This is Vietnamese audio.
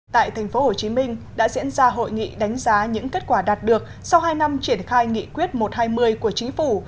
tại tp hcm đã diễn ra hội nghị đánh giá những kết quả đạt được sau hai năm triển khai nghị quyết một trăm hai mươi của chính phủ